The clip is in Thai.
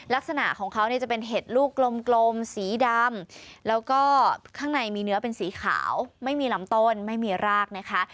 ลักษณะของเขาเนี่ยจะเป็นเห็ดลูกกลมสีดำแล้วก็ข้างในมีเนื้อเป็นสีขาวไม่มีลำต้นไม่มีรากนะคะ